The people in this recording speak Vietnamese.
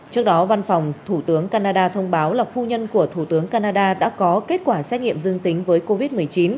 trước đó văn phòng thủ tướng canada thông báo là phu nhân của thủ tướng canada đã có kết quả xét nghiệm dương tính với covid một mươi chín